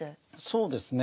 そうですね。